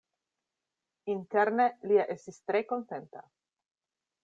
Interne, li ja estis tre kontenta.